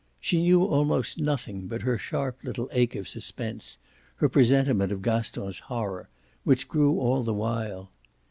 She knew almost nothing but her sharp little ache of suspense, her presentiment of Gaston's horror, which grew all the while.